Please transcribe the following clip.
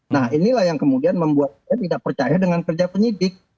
nah inilah yang kemudian membuat saya tidak percaya dengan kerja penyidik